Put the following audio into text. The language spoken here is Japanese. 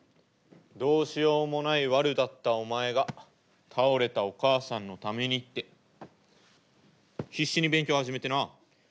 どうしようもないワルだったお前が倒れたお母さんのためにって必死に勉強始めてな。